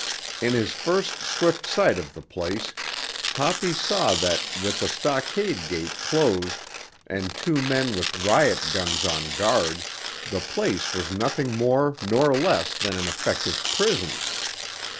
In his first swift sight of the place Toppy saw that, with the stockade gate closed and two men with riot guns on guard, the place was nothing more nor less than an effective prison.